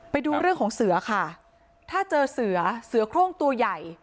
ไปดูเรื่องของเสือค่ะถ้าเจอเสือเสือโครงตัวใหญ่